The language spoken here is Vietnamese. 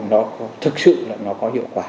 nó thực sự là nó có hiệu quả